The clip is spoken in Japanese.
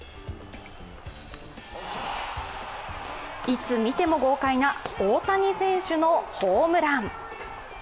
いつ見ても豪快な大谷選手のホームラン。